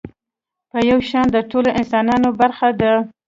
په يو شان د ټولو انسانانو برخه ده.